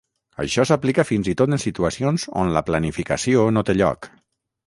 Això s'aplica fins i tot en situacions on la planificació no té lloc.